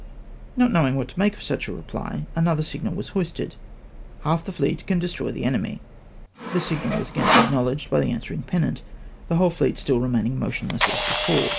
Not knowing what to make of such a reply, another signal was hoisted, " Half the fieet can destroy the enemy.'" This signal was again acknowledged by the answering pennant, the whole fleet stiU remaining motionless as before.